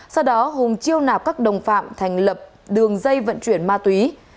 sau đó hùng chiêu nạp các đồng phạm thành lập đường dây vận chuyển ma túy